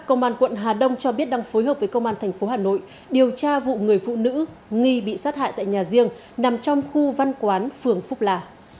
công an quận hà đông cho biết đang phối hợp với công an thành phố hà nội điều tra vụ người phụ nữ nghi bị sát hại tại nhà riêng nằm trong khu văn quán phường phúc là